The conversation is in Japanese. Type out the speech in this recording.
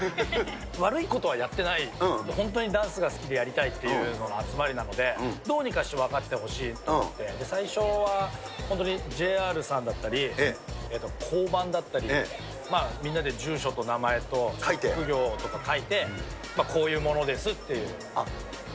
悪いことはやってない、本当にダンスが好きでやりたいっていうのの集まりなんで、どうにかして分かってほしい思って、最初は本当にＪＲさんだったり、交番だったり、みんなで住所と名前と、職業とか書いて、こういう者ですっていう。